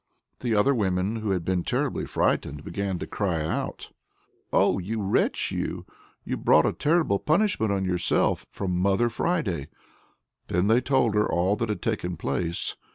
The other women, who had been terribly frightened, began to cry out: "Oh, you wretch, you! you've brought a terrible punishment on yourself from Mother Friday." Then they told her all that had taken place.